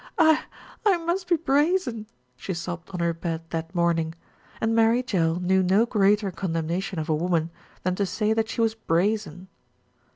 "I I must be brazen," she sobbed on her bed that morning, and Mary Jell knew no greater condemnation of a woman than to say that she was brazen.